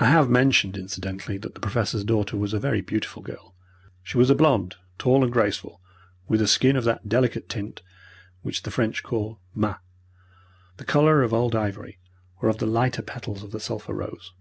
I have mentioned incidentally that the Professor's daughter was a very beautiful girl. She was a blonde, tall and graceful, with a skin of that delicate tint which the French call "mat," the colour of old ivory, or of the lighter petals of the sulphur rose.